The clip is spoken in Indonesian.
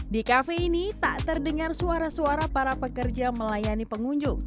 di kafe ini tak terdengar suara suara para pekerja melayani pengunjung